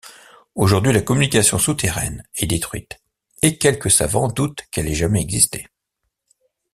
Aujourd'hui la communication souterraine est détruite et quelques savants doutent qu'elle ait jamais existé.